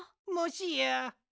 もしや。